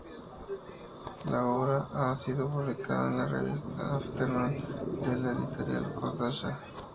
La obra ha sido publicada en la revista Afternoon de la editorial Kōdansha.